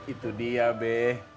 itu dia be